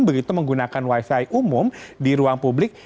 begitu menggunakan wifi umum di ruang publik